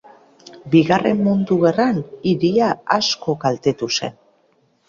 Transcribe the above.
Bigarren Mundu Gerran hiria asko kaltetu zen.